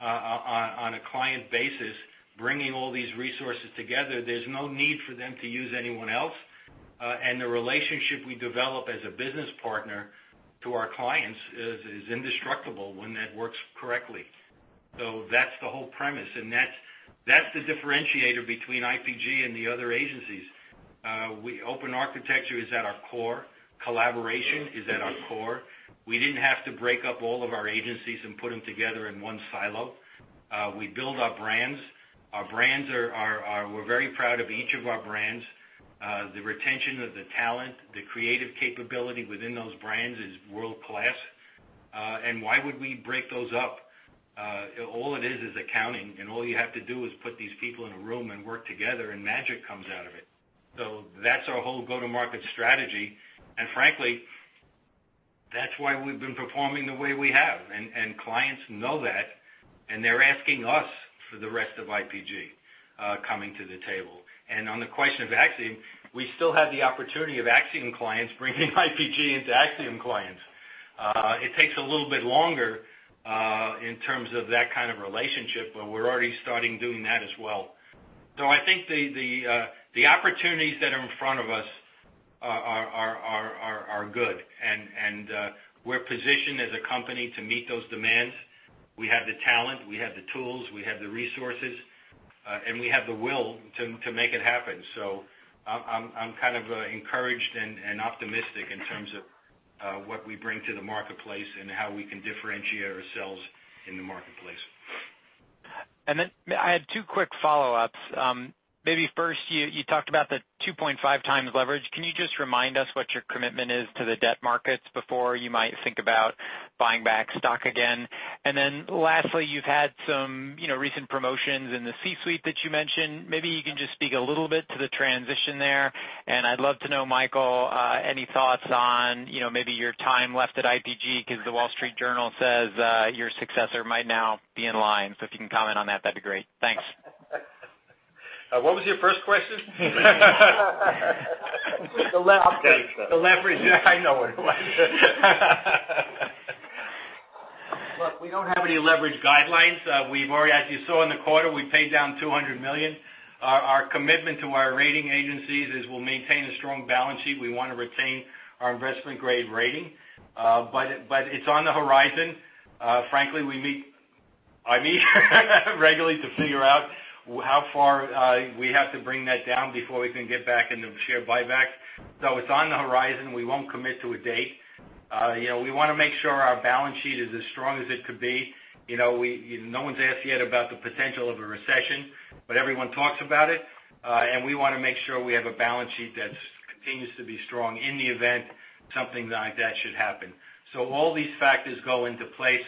on a client basis, bringing all these resources together, there's no need for them to use anyone else. And the relationship we develop as a business partner to our clients is indestructible when that works correctly. So that's the whole premise, and that's the differentiator between IPG and the other agencies. Open architecture is at our core. Collaboration is at our core. We didn't have to break up all of our agencies and put them together in one silo. We build our brands. We're very proud of each of our brands. The retention of the talent, the creative capability within those brands is world-class. And why would we break those up? All it is is accounting, and all you have to do is put these people in a room and work together, and magic comes out of it. So that's our whole go-to-market strategy. And frankly, that's why we've been performing the way we have. And clients know that, and they're asking us for the rest of IPG coming to the table. And on the question of Acxiom, we still have the opportunity of Acxiom clients bringing IPG into Acxiom clients. It takes a little bit longer in terms of that kind of relationship, but we're already starting doing that as well. So I think the opportunities that are in front of us are good, and we're positioned as a company to meet those demands. We have the talent, we have the tools, we have the resources, and we have the will to make it happen. So I'm kind of encouraged and optimistic in terms of what we bring to the marketplace and how we can differentiate ourselves in the marketplace. And then I had two quick follow-ups. Maybe first, you talked about the 2.5x leverage. Can you just remind us what your commitment is to the debt markets before you might think about buying back stock again? And then lastly, you've had some recent promotions in the C-suite that you mentioned. Maybe you can just speak a little bit to the transition there. And I'd love to know, Michael, any thoughts on maybe your time left at IPG because the Wall Street Journal says your successor might now be in line. So if you can comment on that, that'd be great. Thanks. What was your first question? The leverage. Yeah, I know what it was. Look, we don't have any leverage guidelines. As you saw in the quarter, we paid down $200 million. Our commitment to our rating agencies is we'll maintain a strong balance sheet. We want to retain our investment-grade rating, but it's on the horizon. Frankly, I meet regularly to figure out how far we have to bring that down before we can get back into share buybacks. So it's on the horizon. We won't commit to a date. We want to make sure our balance sheet is as strong as it could be. No one's asked yet about the potential of a recession, but everyone talks about it. And we want to make sure we have a balance sheet that continues to be strong in the event something like that should happen. So all these factors go into place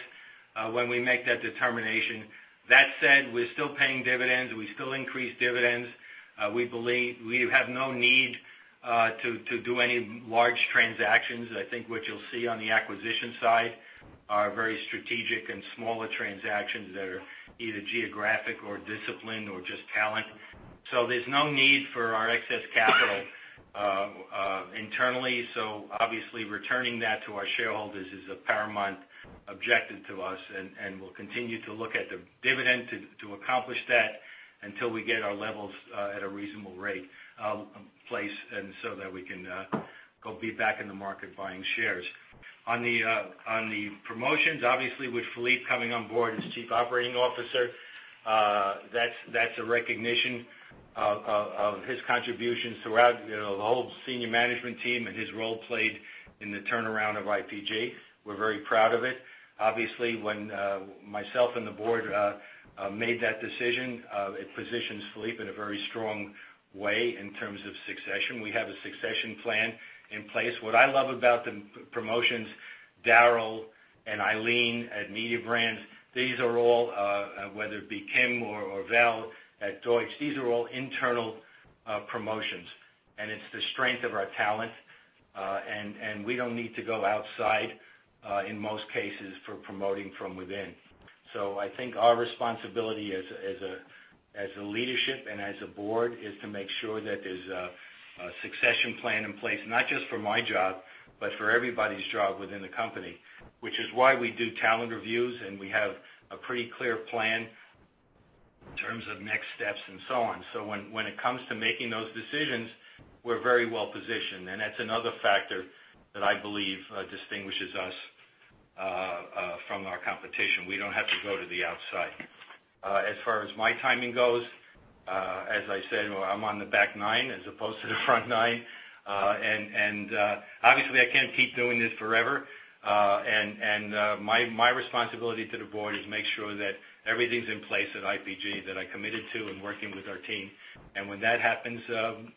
when we make that determination. That said, we're still paying dividends. We still increase dividends. We have no need to do any large transactions. I think what you'll see on the acquisition side are very strategic and smaller transactions that are either geographic or discipline or just talent. So there's no need for our excess capital internally. So obviously, returning that to our shareholders is a paramount objective to us, and we'll continue to look at the dividend to accomplish that until we get our levels at a reasonable place so that we can go be back in the market buying shares. On the promotions, obviously, with Philippe coming on board as Chief Operating Officer, that's a recognition of his contributions throughout the whole senior management team and his role played in the turnaround of IPG. We're very proud of it. Obviously, when myself and the board made that decision, it positions Philippe in a very strong way in terms of succession. We have a succession plan in place. What I love about the promotions, Daryl and Eileen at Mediabrands, these are all, whether it be Kim or Val at Deutsch, these are all internal promotions. It's the strength of our talent, and we don't need to go outside in most cases for promoting from within. I think our responsibility as a leadership and as a board is to make sure that there's a succession plan in place, not just for my job, but for everybody's job within the company, which is why we do talent reviews and we have a pretty clear plan in terms of next steps and so on. When it comes to making those decisions, we're very well positioned. That's another factor that I believe distinguishes us from our competition. We don't have to go to the outside. As far as my timing goes, as I said, I'm on the back nine as opposed to the front nine. Obviously, I can't keep doing this forever. My responsibility to the board is to make sure that everything's in place at IPG that I committed to and working with our team. When that happens,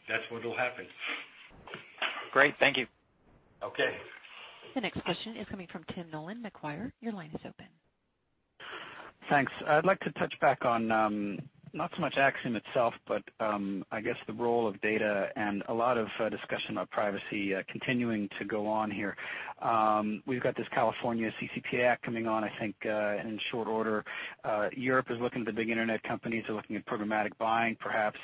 that's what will happen. Great. Thank you. Okay. The next question is coming from Tim Nollen, Macquarie. Your line is open. Thanks. I'd like to touch back on not so much Acxiom itself, but I guess the role of data and a lot of discussion on privacy continuing to go on here. We've got this California CCPA Act coming on, I think, in short order. Europe is looking at the big internet companies. They're looking at programmatic buying, perhaps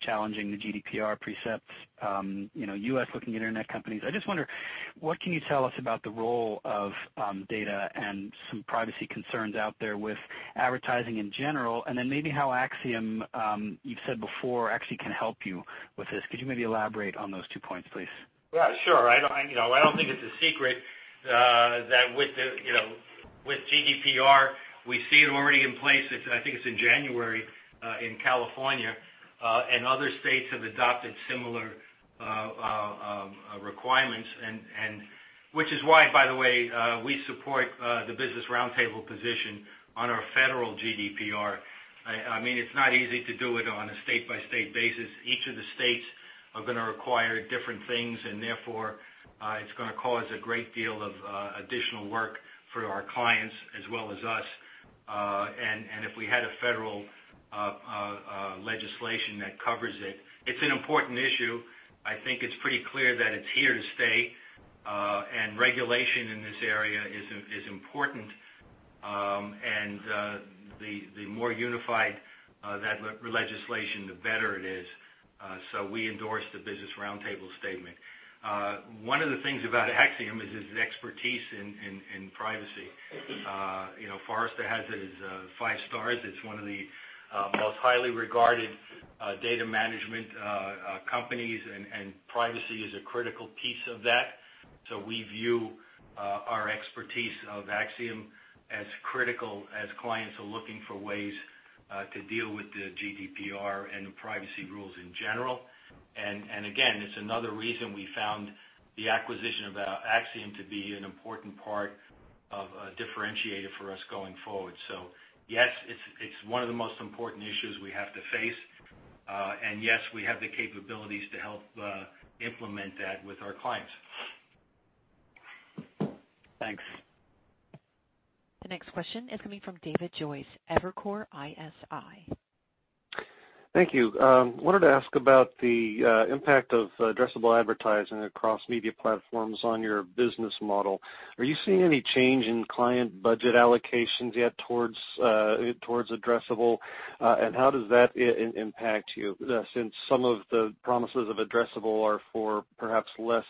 challenging the GDPR precepts. U.S. looking at internet companies. I just wonder, what can you tell us about the role of data and some privacy concerns out there with advertising in general? And then maybe how Acxiom, you've said before, actually can help you with this. Could you maybe elaborate on those two points, please? Yeah, sure. I don't think it's a secret that with GDPR, we see it already in place. I think it's in January in California, and other states have adopted similar requirements, which is why, by the way, we support the Business Roundtable position on our federal GDPR. I mean, it's not easy to do it on a state-by-state basis. Each of the states are going to require different things, and therefore, it's going to cause a great deal of additional work for our clients as well as us, and if we had a federal legislation that covers it, it's an important issue. I think it's pretty clear that it's here to stay, and regulation in this area is important, and the more unified that legislation, the better it is, so we endorse the Business Roundtable statement. One of the things about Acxiom is its expertise in privacy. Forrester has it as five stars. It's one of the most highly regarded data management companies, and privacy is a critical piece of that. So we view our expertise of Acxiom as critical as clients are looking for ways to deal with the GDPR and the privacy rules in general. And again, it's another reason we found the acquisition of Acxiom to be an important part of a differentiator for us going forward. So yes, it's one of the most important issues we have to face. And yes, we have the capabilities to help implement that with our clients. Thanks. The next question is coming from David Joyce, Evercore ISI. Thank you. I wanted to ask about the impact of addressable advertising across media platforms on your business model. Are you seeing any change in client budget allocations yet towards addressable? And how does that impact you since some of the promises of addressable are for perhaps less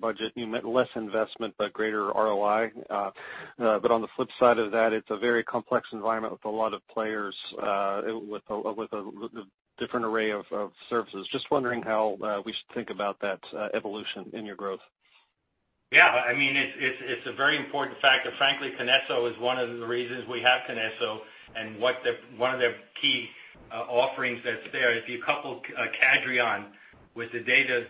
budget, less investment, but greater ROI? But on the flip side of that, it's a very complex environment with a lot of players with a different array of services. Just wondering how we should think about that evolution in your growth. Yeah. I mean, it's a very important fact. And frankly, KINESSO is one of the reasons we have KINESSO and one of their key offerings that's there. If you couple Cadreon with the data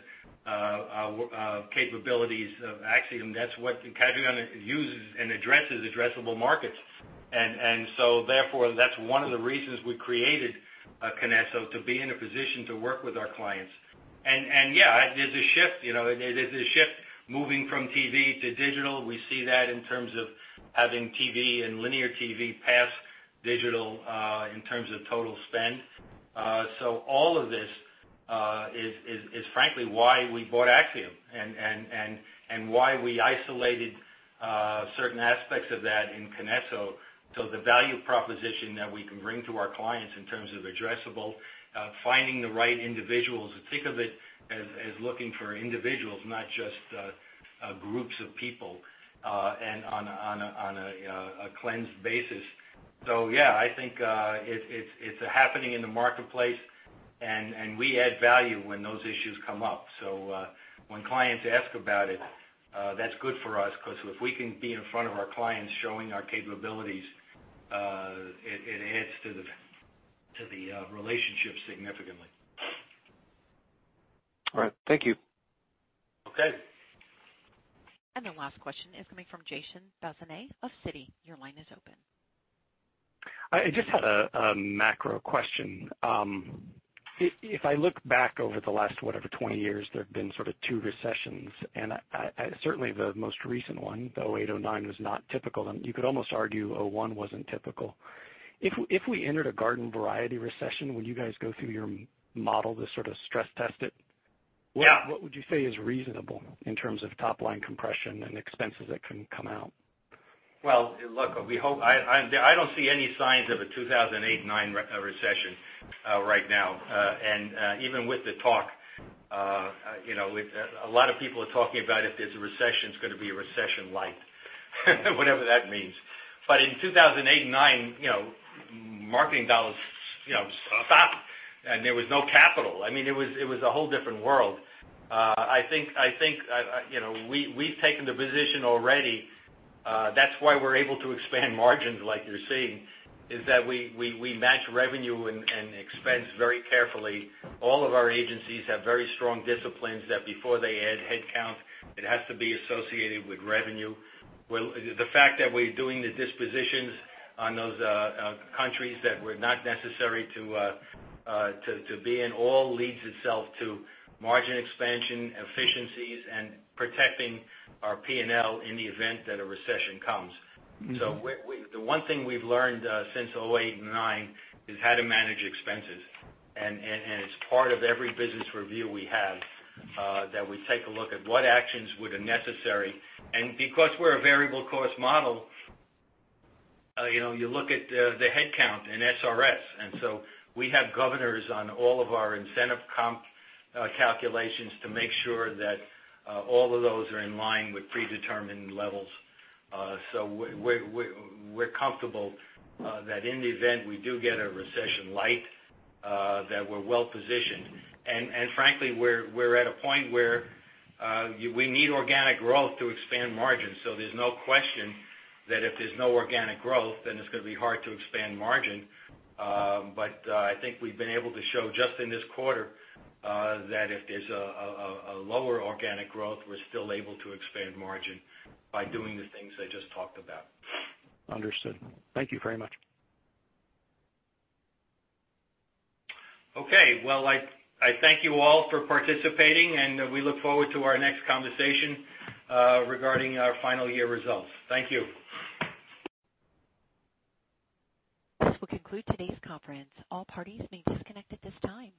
capabilities of Acxiom, that's what Cadreon uses and addresses addressable markets. And so therefore, that's one of the reasons we created KINESSO to be in a position to work with our clients. And yeah, there's a shift. There's a shift moving from TV to digital. We see that in terms of having TV and linear TV pass digital in terms of total spend. So all of this is, frankly, why we bought Acxiom and why we isolated certain aspects of that in KINESSO. The value proposition that we can bring to our clients in terms of addressable, finding the right individuals, think of it as looking for individuals, not just groups of people on a cleansed basis, so yeah, I think it's happening in the marketplace, and we add value when those issues come up, so when clients ask about it, that's good for us because if we can be in front of our clients showing our capabilities, it adds to the relationship significantly. All right. Thank you. Okay. The last question is coming from Jason Bazinet of Citi. Your line is open. I just had a macro question. If I look back over the last, whatever, 20 years, there have been sort of two recessions. And certainly, the most recent one, the 2008, 2009, was not typical. And you could almost argue 2001 wasn't typical. If we entered a garden-variety recession, would you guys go through your model to sort of stress test it? Yeah. What would you say is reasonable in terms of top-line compression and expenses that can come out? Well, look, I don't see any signs of a 2008, 2009 recession right now. And even with the talk, a lot of people are talking about if there's a recession, it's going to be a recession light, whatever that means. But in 2008, 2009, marketing dollars stopped, and there was no capital. I mean, it was a whole different world. I think we've taken the position already. That's why we're able to expand margins like you're seeing, is that we match revenue and expense very carefully. All of our agencies have very strong disciplines that before they add headcount, it has to be associated with revenue. The fact that we're doing the dispositions on those countries that were not necessary to be in all leads itself to margin expansion, efficiencies, and protecting our P&L in the event that a recession comes. So the one thing we've learned since 2008 and 2009 is how to manage expenses. And it's part of every business review we have that we take a look at what actions would be necessary. And because we're a variable cost model, you look at the headcount and SRS. And so we have governors on all of our incentive comp calculations to make sure that all of those are in line with predetermined levels. So we're comfortable that in the event we do get a recession light, that we're well positioned. And frankly, we're at a point where we need organic growth to expand margins. So there's no question that if there's no organic growth, then it's going to be hard to expand margin. But I think we've been able to show just in this quarter that if there's a lower organic growth, we're still able to expand margin by doing the things I just talked about. Understood. Thank you very much. Okay. Well, I thank you all for participating, and we look forward to our next conversation regarding our final year results. Thank you. This will conclude today's conference. All parties may disconnect at this time.